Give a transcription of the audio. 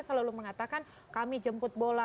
selalu mengatakan kami jemput bola